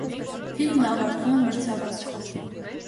Ֆիլմն ավարտվում է մրցավազքով։